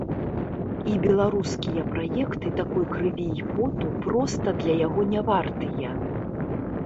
І беларускія праекты такой крыві і поту проста для яго не вартыя.